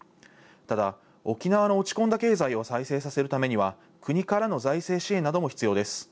ただ、沖縄の落ち込んだ経済を再生させるためには国からの財政支援なども必要です。